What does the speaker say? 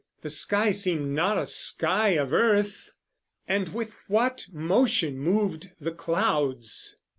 The sky seemed not a sky Of earth, and with what motion moved the clouds!